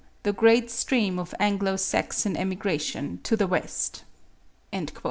the great stream of Anglo Saxon emigration to the west."